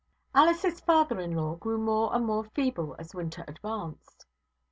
Alice's father in law grew more and more feeble as winter advanced.